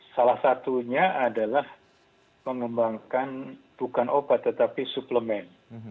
salah satunya adalah mengembangkan bukan obat tetapi suplemen